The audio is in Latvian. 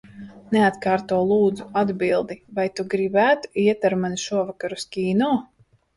Neatkārto, lūdzu, atbildi. Vai tu gribētu iet ar mani šovakar uz kino?